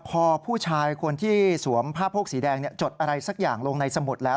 พอผู้ชายคนที่สวมผ้าโพกสีแดงจดอะไรสักอย่างลงในสมุดแล้ว